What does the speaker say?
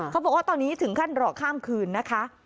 เขาบอกว่าตอนนี้ถึงขั้นรอข้ามคืนนะคะ